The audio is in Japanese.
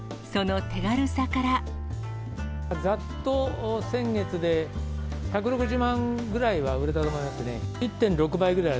ざっと先月で、１６０万ぐらいは売れたと思いますね。